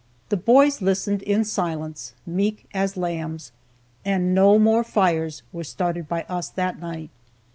The boys listened in silence, meek as lambs, and no more fires were started by us that night.